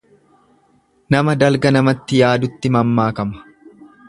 Nama dalga namatti yaadutti mammaakama.